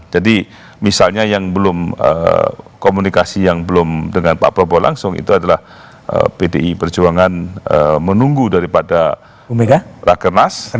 jadi misalnya yang belum komunikasi dengan pak prabowo langsung itu adalah pdi perjuangan menunggu daripada rakernas